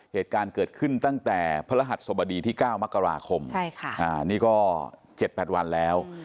เหตุการณ์เกิดขึ้นตั้งแต่พระหัสสมดีที่เก้ามกราคมใช่ค่ะอ่านี่ก็เจ็ดแปดวันแล้ว